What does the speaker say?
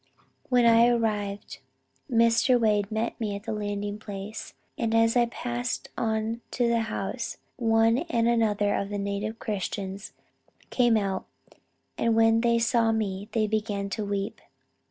When I arrived Mr. Wade met me at the landing place, and as I passed on to the house, one and another of the native Christians came out, and when they saw me they began to weep.